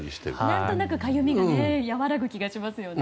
何となくかゆみが和らぐ気がしますよね。